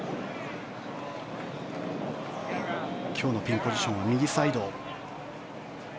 今日のピンポジションは右サイド。